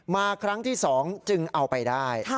มาครั้งที่๒จึงเอาไปได้